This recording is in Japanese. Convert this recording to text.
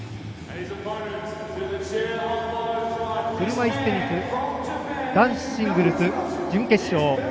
車いすテニス男子シングルス準決勝。